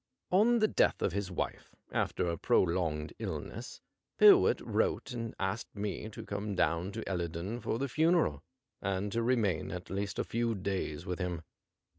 On the death of his wife^ after a prolonged illness, Pyrwhit wrote and asked me to come down to Ellerdon for the funeral, and to remain at least a few days with him.